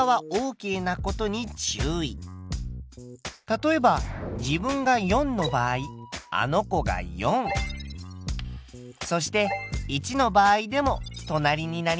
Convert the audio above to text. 例えば自分が４の場合あの子が４そして１の場合でも隣になります。